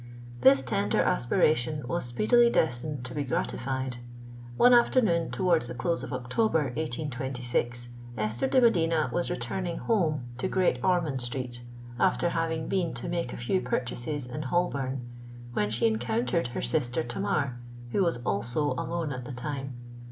This tender aspiration was speedily destined to be gratified. One afternoon, towards the close of October, 1826, Esther de Medina was returning home to Great Ormond Street, after having been to make a few purchases in Holborn, when she encountered her sister Tamar, who was also alone at the time.